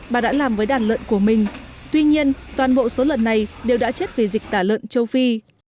bà đã làm với đàn lợn của mình tuy nhiên toàn bộ số lợn này đều đã chết vì dịch tả lợn châu phi